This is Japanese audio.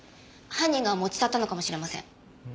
犯人が持ち去ったのかもしれません。